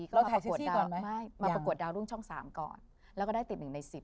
เมื่อมีแรงก็มาประกวดดาวรุ่งช่อง๓ก่อนแล้วก็ได้๑ใน๑๐